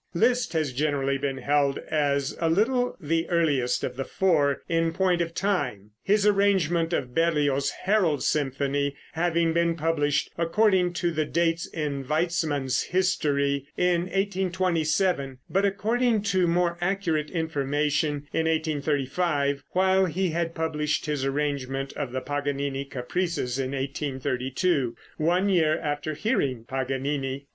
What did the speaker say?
Liszt has generally been held as a little the earliest of the four in point of time, his arrangement of Berlioz's "Harold" symphony having been published, according to the dates in Weitzmann's history, in 1827, but according to more accurate information, in 1835, while he had published his arrangement of the Paganini caprices in 1832, one year after hearing Paganini.